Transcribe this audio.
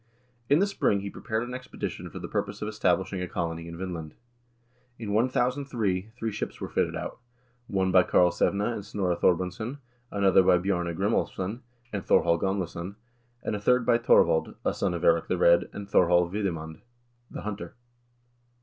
In the spring he prepared an expedition for the purpose of establishing a colony in Vinland. In 1003, three ships were fitted out ; one by Karlsevne and Snorre Thorbrandsson, another by Bjarne Grimolvsson and Thorhall Gam lason, and a third by Thorvald, a son of Eirik the Red, and Thorhall Veidemand (the Hunter).